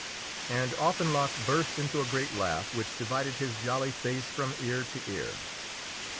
And Offenloch burst into a great laugh which divided his jolly face from ear to ear.